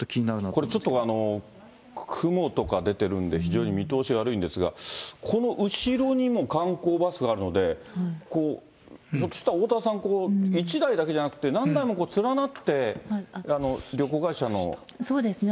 これちょっと、雲とか出てるんで、非常に見通しが悪いんですが、この後ろにも観光バスがあるので、こう、ひょっとしたらおおたわさん、１台だけじゃなくて何台も連なって旅行会社の方々が。